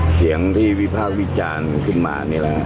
เพราะติ้วถือว่า